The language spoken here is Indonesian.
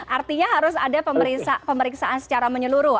artinya harus ada pemeriksaan secara menyeluruh